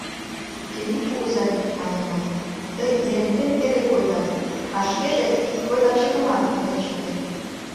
— Темит кугызай, — маньым мый, — тый Ерентем эре койдарет, а шкеже ик койдарчыкымат ынет чыте.